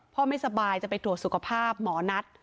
ไม่สบายจะไปตรวจสุขภาพหมอนัท